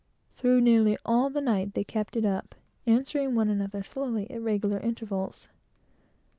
Through nearly all the night they kept it up, answering one another slowly, at regular intervals.